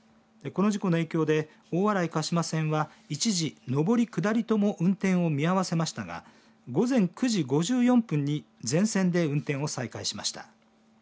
この事故の影響で大洗鹿島線は一時、上り下りとも運転を見合わせましたが午前９時５４分に全線で運転を再開しました。